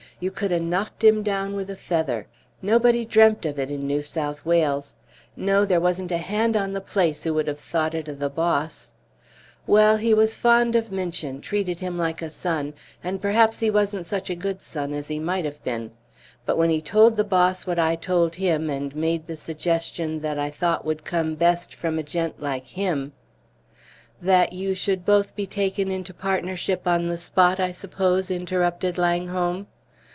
You could ha' knocked him down with a feather. Nobody dreamt of it in New South Wales. No, there wasn't a hand on the place who would have thought it o' the boss! Well, he was fond of Minchin, treated him like a son, and perhaps he wasn't such a good son as he might have been. But when he told the boss what I told him, and made the suggestion that I thought would come best from a gent like him " "That you should both be taken into partnership on the spot, I suppose?" interrupted Langholm.